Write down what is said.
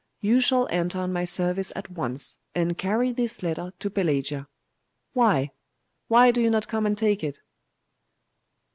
You shall enter on my service at once, and carry this letter to Pelagia. Why? why do you not come and take it?